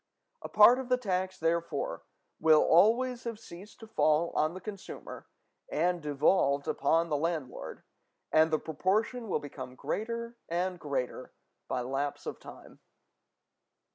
A part of the tax, therefore, will already have ceased to fall on the consumer and devolved upon the landlord, and the proportion will become greater and greater by lapse of time.